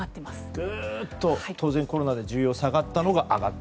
ぐーっと当然コロナで需要下がったのが上がって。